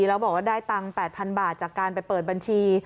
แล้วบอกว่าได้ตังค์๘๐๐๐บาทจากการไปเปิดบัญชี